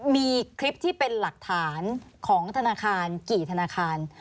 มีคลิปที่เป็นหลักฐานของธนาคารกี่ธนาคาร